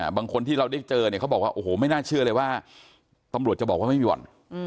บางคนที่เราได้เจอเนี่ยเขาบอกว่าโอ้โหไม่น่าเชื่อเลยว่าตำรวจจะบอกว่าไม่มีบ่อน